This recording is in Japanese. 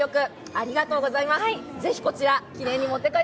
ありがとうございます！